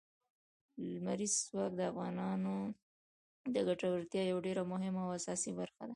لمریز ځواک د افغانانو د ګټورتیا یوه ډېره مهمه او اساسي برخه ده.